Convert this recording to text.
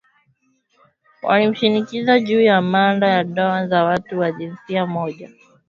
Walimshinikiza juu ya mada ya ndoa za watu wa jinsia moja